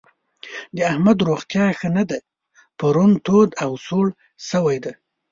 د احمد روغتيا ښه نه ده؛ پرون تود او سوړ شوی دی.